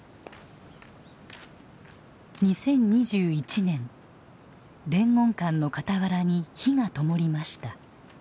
２０２１年伝言館の傍らに火がともりました。